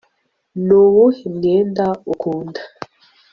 nuwuhe mwenda ukunda